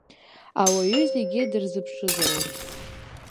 Ауаҩы зегьы дырзыԥшызароуп.